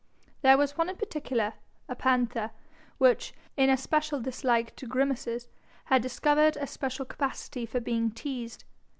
There was one in particular, a panther, which, in a special dislike to grimaces, had discovered a special capacity for being teased.